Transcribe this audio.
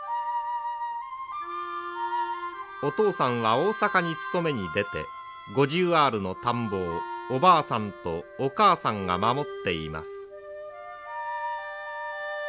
お父さんは大阪に勤めに出て５０アールの田んぼをおばあさんとお母さんが守っています。